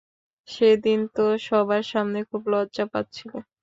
সেদিন তো সবার সামনে খুব লজ্জা পাচ্ছিলে।